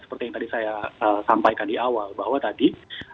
seperti yang tadi saya sampaikan di awal bahwa tadi